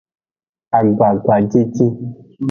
Agbagajeje.